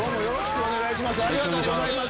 よろしくお願いします。